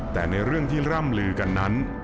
แต่ในเรื่องที่ร่ำลือกันนั้น